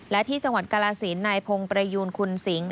และที่จังหวัดกาลสินนายพงศ์ประยูนคุณสิง